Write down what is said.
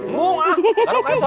gua garuknya sorangan